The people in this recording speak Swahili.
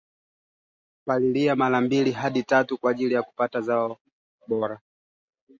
Rais aliidhinisha shilingi bilioni thelathini na nne